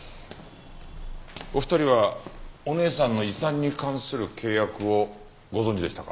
お二人はお姉さんの遺産に関する契約をご存じでしたか？